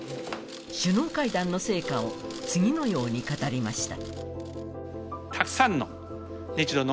首脳会談の成果を次のように語りました。